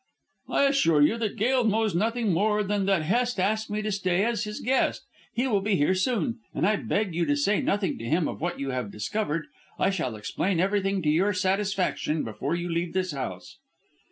"I assure you that Gail knows nothing more than that Hest asked me to stay as his guest. He will be here soon, and I beg of you to say nothing to him of what you have discovered. I shall explain everything to your satisfaction before you leave this house."